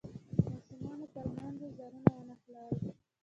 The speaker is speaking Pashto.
ماشومانو پر میندو ځانونه ونښلول.